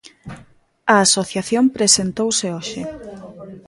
A asociación presentouse hoxe.